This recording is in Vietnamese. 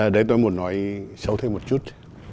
đấy tôi muốn nói sâu thêm một chút